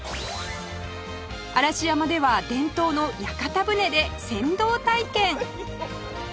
嵐山では伝統の屋形船で船頭体験